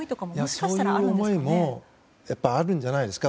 そういう思いもあるんじゃないですか